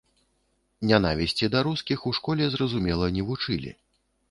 Нянавісці да рускіх у школе, зразумела, не вучылі.